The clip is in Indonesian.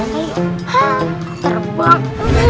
tadi nanti terbang